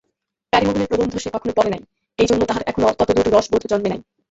প্যারীমোহনের প্রবন্ধ সে কখনো পড়ে নাই এই জন্য তাহার এখনও ততদূর রসবোধ জন্মে নাই।